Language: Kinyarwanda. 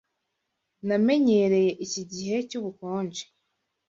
Namenyereye iki gihe cyubukonje.